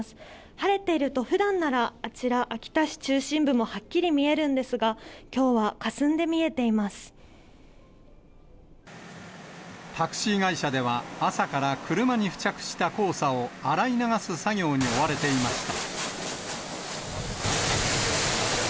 晴れているとふだんならあちら、秋田市中心部もはっきり見えるんですが、きょうはかすんで見えてタクシー会社では、朝から車に付着した黄砂を洗い流す作業に追われていました。